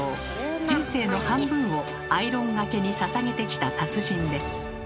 人生の半分をアイロンがけにささげてきた達人です。